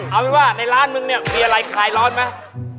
เอาเป็นว่าในร้านมึงเนี่ยมีอะไรคลายร้อนไหม